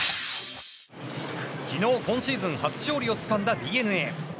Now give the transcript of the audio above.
昨日、今シーズン初勝利をつかんだＤｅＮＡ。